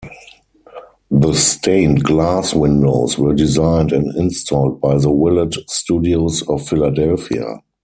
The stained glass windows were designed and installed by The Willet Studios of Philadelphia.